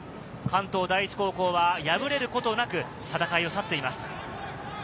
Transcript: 関東第一高校は敗れることなく戦いを去っています。